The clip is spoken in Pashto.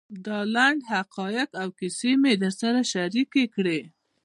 دا لنډ حقایق او کیسې مې در سره شریکې کړې.